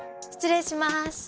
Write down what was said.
失礼します。